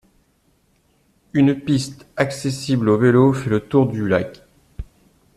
Une piste accessible aux vélos fait le tour du lac.